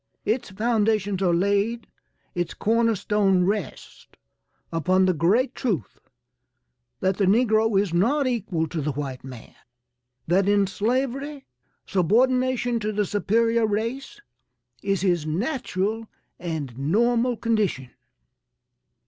Its foundations are laid, its corner stone rests upon the great truth that the negro is not equal to the white man. That in slavery, subordination to the superior race, is his natural and normal condition.